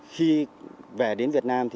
khi về đến việt nam